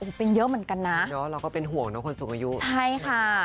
ผมเป็นเยอะเหมือนกันนะเนอะเราก็เป็นห่วงนะคนสูงอายุใช่ค่ะ